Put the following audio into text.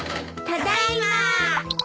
ただいま。